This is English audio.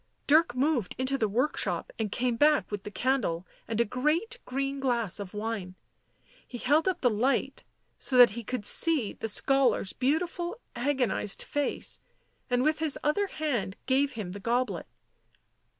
Dirk moved into the workshop and came back with the candle and a great green glass of wine. He held up the light so that he could see the scholar's beautiful agonised face, and with his other hand gave him the goblet.